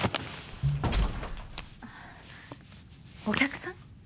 お客さん？